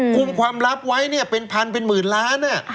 คุมความลับไว้เป็นพันเป็นหมื่นล้าน